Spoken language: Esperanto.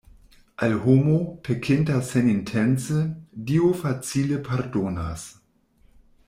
Al homo, pekinta senintence, Dio facile pardonas.